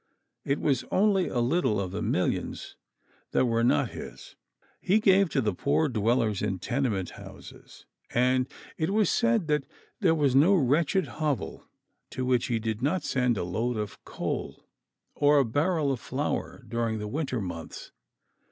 It was only a little of the millions that were not his. He gave it to the poor dwellers in tenement houses, and it was said that there was no wretched hovel to which he did not send a load of coal or a barrel of flour during the winter months.